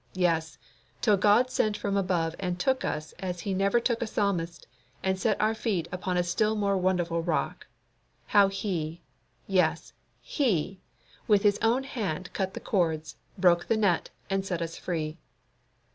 Yes, till God sent from above and took us as He never took a psalmist, and set our feet upon a still more wonderful rock. How He, yes, HE, with His own hand cut the cords, broke the net, and set us free!